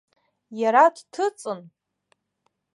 Иара дҭыҵын.